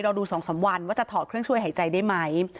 ดู๒๓วันว่าจะถอดเครื่องช่วยหายใจได้ไหม